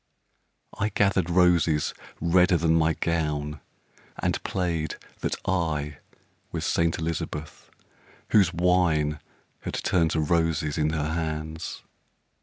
I gathered roses redder than my gown And played that I was Saint Elizabeth, Whose wine had turned to roses in her hands.